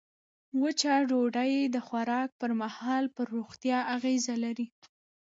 وچه ډوډۍ د خوراک پر مهال پر روغتیا اغېز لري.